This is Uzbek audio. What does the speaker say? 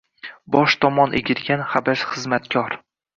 Bosh tomon egilgan habash xizmatkor